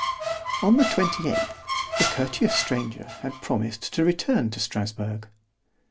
On the twenty eighth the courteous stranger had promised to return to _Strasburg.